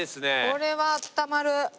これはあったまる。